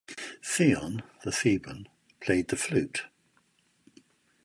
Theon the Theban played the flute.